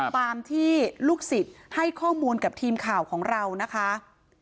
ตามที่ลูกศิษย์ให้ข้อมูลกับทีมข่าวของเรานะคะ